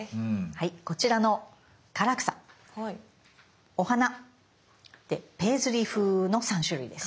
こちらの唐草お花ペイズリー風の３種類です。